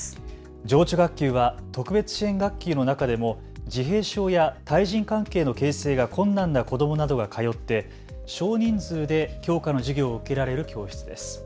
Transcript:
情緒学級は特別支援学級の中でも自閉症や対人関係の形成が困難な子どもなどが通って少人数で教科の授業を受けられる教室です。